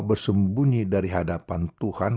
bersembunyi dari hadapan tuhan